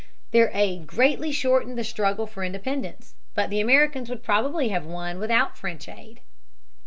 Their aid greatly shortened the struggle for independence. But the Americans would probably have won without French aid.